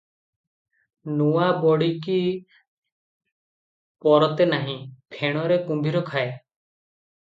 ନୂଆ ବଢ଼ିକି ପରତେ ନାହିଁ, ଫେଣରେ କୁମ୍ଭୀର ଖାଏ ।